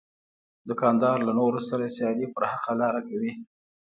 دوکاندار له نورو سره سیالي پر حقه لار کوي.